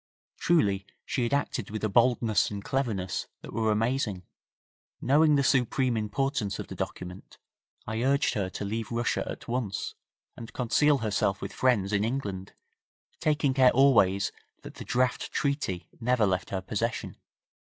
Truly she had acted with a boldness and cleverness that were amazing. Knowing the supreme importance of the document, I urged her to leave Russia at once, and conceal herself with friends in England, taking care always that the draft treaty never left her possession.